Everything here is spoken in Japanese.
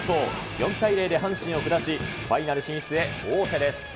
４対０で阪神を下し、ファイナル進出へ王手です。